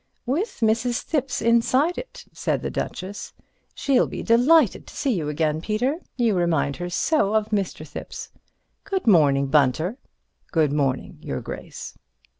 "With Mrs. Thipps inside it," said the Duchess. "She'll be delighted to see you again, Peter. You remind her so of Mr. Thipps. Good morning, Bunter." "Good morning, your Grace."